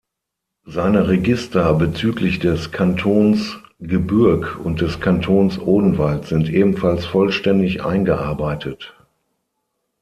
Seine Register bezüglich des Kantons Gebürg und des Kantons Odenwald sind ebenfalls vollständig eingearbeitet.